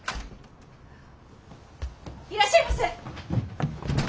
いらっしゃいませ。